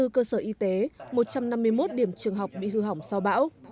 hai mươi bốn cơ sở y tế một trăm năm mươi một điểm trường học bị hư hỏng sau bão